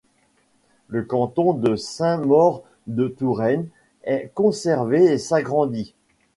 Le canton de Sainte-Maure-de-Touraine est conservé et s'agrandit.